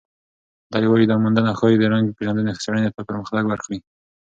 دی وايي، دا موندنه ښايي د رنګ پېژندنې څېړنې ته پرمختګ ورکړي.